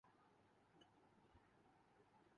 وہ جو کچہری لاہور میں لگاتے تھے۔